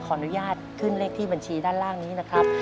อนุญาตขึ้นเลขที่บัญชีด้านล่างนี้นะครับ